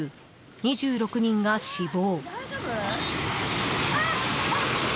２６人が死亡。